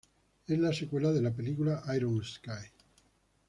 Es la secuela de la película "Iron Sky".